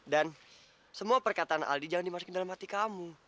dan semua perkataan aldi jangan dimasukin dalam hati kamu